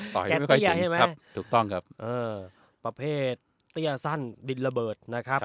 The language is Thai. ต่อยไม่ค่อยถึงประเภทเตี้ยสั้นดินระเบิด